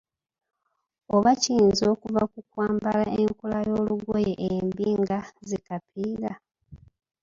Oba kiyinza okuva ku kwambala enkola y'olugoye embi nga zi "kapiira"